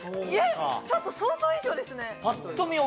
ちょっと想像以上ですね